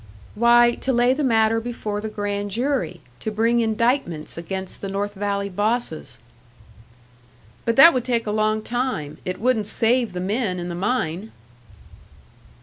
"Why, to lay the matter before the Grand Jury; to bring indictments against the North Valley bosses." "But that would take a long time; it wouldn't save the men in the mine."